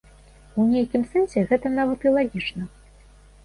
У нейкім сэнсе гэта нават і лагічна.